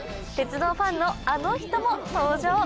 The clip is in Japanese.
鉄道ファンのあの人も登場！